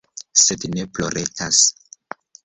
Sed ne ploretas.